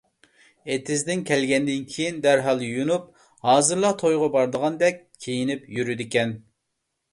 ئېتىزدىن كەلگەندىن كېيىن دەرھال يۇيۇنۇپ، ھازىرلا تويغا بارىدىغاندەك كىيىنىپ يۈرىدىكەن.